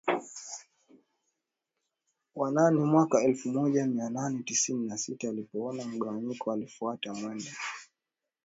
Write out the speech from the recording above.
wa nane mwaka elfu moja mia nane tisini na sita alipoona mgawanyiko Alifuata mwendo